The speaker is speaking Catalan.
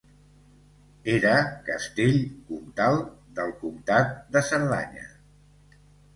Era castell comtal, del Comtat de Cerdanya.